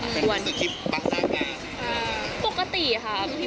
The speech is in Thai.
เป็นวันสุดมีภาพจากแก๊ง